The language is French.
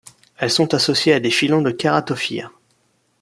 Elle sont associées à des filons de kératophyres.